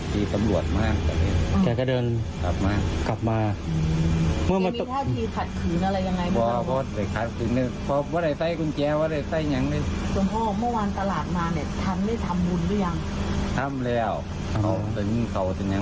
ตกใจเหมือนหลวงพ่อคนเข้าวัดเข้าวาไปก่อเหตุแบบนี้